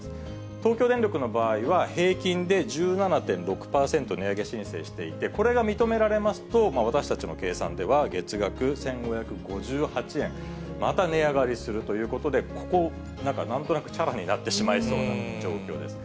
東京電力の場合は、平均で１７．６％値上げ申請していて、これが認められますと、私たちの計算では、月額１５５８円、また値上がりするということで、ここ、なんとなくちゃらになってしまいそうな状況ですね。